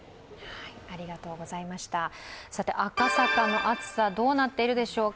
赤坂の暑さ、どうなっているでしょうか。